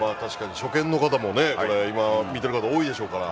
初見の方も今見ている方、多いでしょうから。